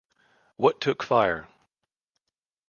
What took fire?